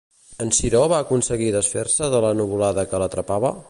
En Ciró va aconseguir desfer-se de la nuvolada que l'atrapava?